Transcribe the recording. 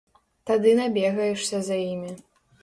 Тады набегаешся за імі.